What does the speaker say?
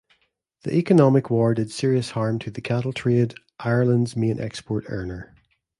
The economic war did serious harm to the cattle trade, Ireland's main export earner.